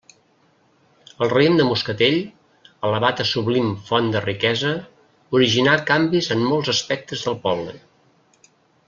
El raïm de moscatell, elevat a sublim font de riquesa, originà canvis en molts aspectes del poble.